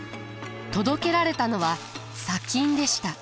届けられたのは砂金でした。